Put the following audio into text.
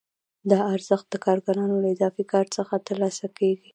دا ارزښت د کارګرانو له اضافي کار څخه ترلاسه کېږي